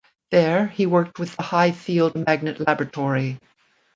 There he worked with the High Field Magnet Laboratory.